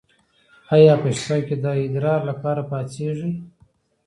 ایا په شپه کې د ادرار لپاره پاڅیږئ؟